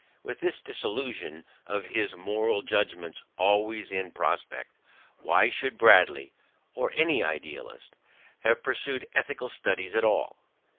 With this dissolution of his moral judgments always in prospect, why should Bradley, or any idealist, have pursued ethical studies at all?